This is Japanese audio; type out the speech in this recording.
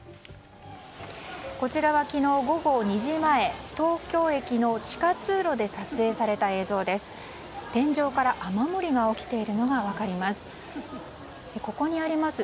こちらは昨日午後２時前東京駅の地下通路で撮影された映像です。